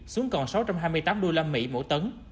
xuống còn sáu trăm hai mươi tám usd mỗi tấn